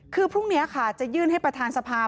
คือพรุ่งนี้ค่ะจะยื่นให้ประธานสภา